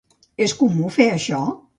És comú fer això?